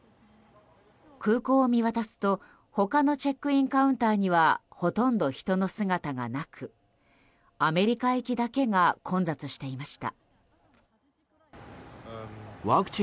空港を見渡すと、他のチェックインカウンターにはほとんど人の姿がなくアメリカ行きだけが混雑していました。